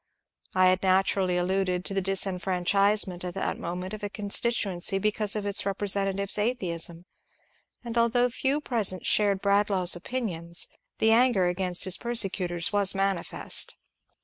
I had naturally alluded to the disfran chisement at that moment of a constituency because of its representative's atheism, and although few present shared Bradlaugh's opinions, the anger against his persecutors was manifest.